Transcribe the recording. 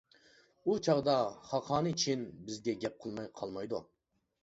ئۇ چاغدا خاقانى چىن بىزگە گەپ قىلماي قالمايدۇ.